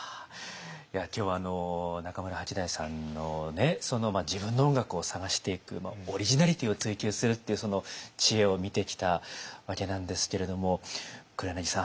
いや今日は中村八大さんのね自分の音楽を探していくオリジナリティーを追求するっていう知恵を見てきたわけなんですけれども黒柳さん